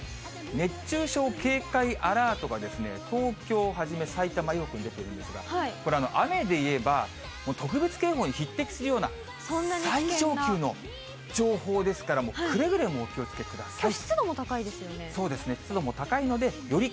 熱中症警戒アラートが東京をはじめ、埼玉、出ているんですが、これ雨でいえば、特別警報に匹敵するような、最上級の情報ですから、くれぐれもお気をつけください。